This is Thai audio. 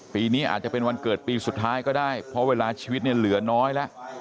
ปีนี้อาจจะเป็นวันเกิดปีสุดท้ายก็ได้เพราะเวลาชีวิตเนี่ยเหลือน้อยแล้ว